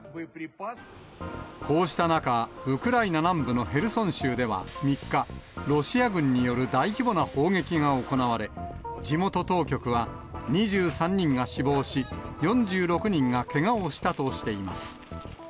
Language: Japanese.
こうした中、ウクライナ南部のヘルソン州では３日、ロシア軍による大規模な砲撃が行われ、地元当局は、２３人が死亡し、４６人がけがをしたとしています。